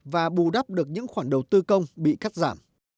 và bù đắp được những khoản đầu tư công bị cắt giảm